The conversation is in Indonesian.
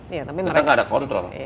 kita nggak ada kontrol